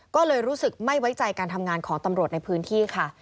ก็เลยรู้สึกไม่ไว้ใจการทำงานของตำรวจในพื้นที่ค่ะ